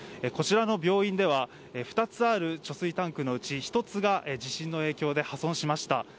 こちらの病院では２つある貯水タンクのうち一つが地震の影響で破損しました。